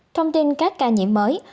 thông tin các ca nhiễm mới